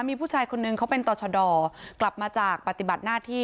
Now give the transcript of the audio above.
มีผู้ชายคนนึงเขาเป็นต่อชะดอกลับมาจากปฏิบัติหน้าที่